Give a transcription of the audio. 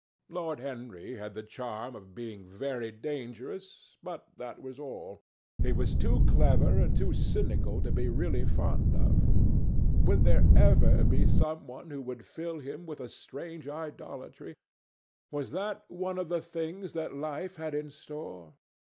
Lord Henry had the charm of being very dangerous. But that was all. He was too clever and too cynical to be really fond of. Would there ever be some one who would fill him with a strange idolatry? Was that one of the things that life had in store?